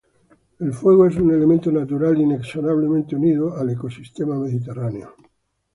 El fuego es un elemento natural inexorablemente unido al ecosistema mediterráneo.